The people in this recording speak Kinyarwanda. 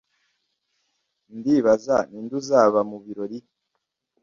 Ndibaza ninde uzaba mubirori.